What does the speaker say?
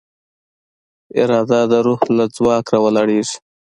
اراده د روح له ځواک راولاړېږي.